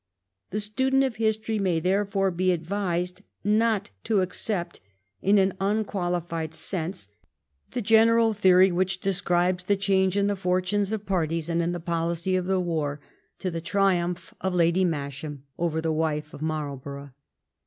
The student of history may, therefore, be advised not to accept in an unqualified senBe the general theory which ascribes the change in the fortunes of parties and in the policy of the war to the triumph of Lady Masham over the wife of Marlborough.